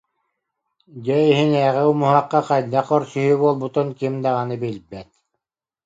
Дьиэ иһинээҕи умуһахха хайдах көрсүһүү буолбутун ким даҕаны билбэт